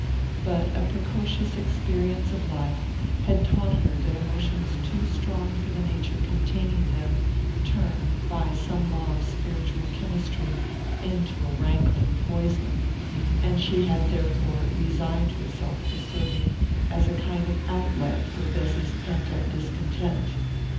But a precocious experience of life had taught her that emotions too strong for the nature containing them turn, by some law of spiritual chemistry, into a rankling poison; and she had therefore resigned herself to serving as a kind of outlet for Bessy's pent up discontent.